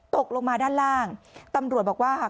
ตกลงมาด้านล่างตำรวจบอกว่าค่ะ